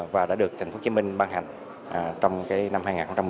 và đã được tp hcm ban hành trong năm hai nghìn một mươi